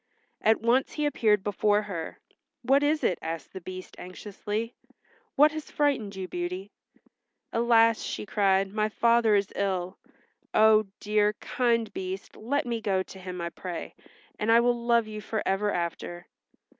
At once he appeared before her. "What is it?" asked the Beast anxiously. "What has frightened you, Beauty?" "Alas," she cried, "my father is ill. Oh, dear, kind Beast let me go to him I pray, and I will love you for ever after."